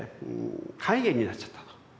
肝炎になっちゃったと。